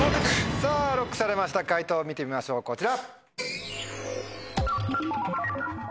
さぁＬＯＣＫされました解答を見てみましょうこちら。